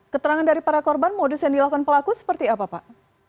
keterangan dari para korban modus yang dilakukan pelaku seperti apa pak